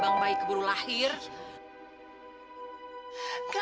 aku cuma ngerepotin kak fadil aja